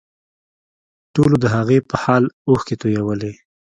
ټولو د هغې په حال اوښکې تویولې